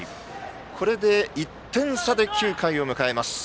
これで、１点差で９回を迎えます。